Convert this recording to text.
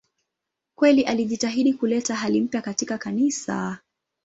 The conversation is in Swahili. Kweli alijitahidi kuleta hali mpya katika Kanisa.